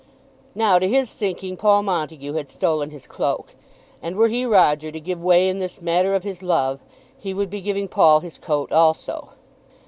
Now, to his thinking, Paul Montague had stolen his cloak, and were he, Roger, to give way in this matter of his love, he would be giving Paul his coat also.